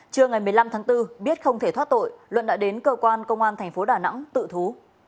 trưa ngày một mươi năm tháng bốn biết không thể thoát tội luận đã đến cơ quan công an thành phố đà nẵng tự thú